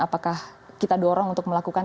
apakah kita dorong untuk melakukan